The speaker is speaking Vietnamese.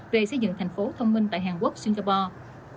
về xây dựng thành phố thông minh tại hàn quốc singapore